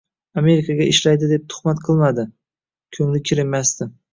Amerikaga ishlaydi deb tuhmat qilmadi. Ko‘ngli kir emasdi.